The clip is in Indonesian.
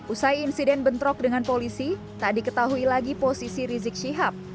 usai insiden bentrok dengan polisi tak diketahui lagi posisi rizik syihab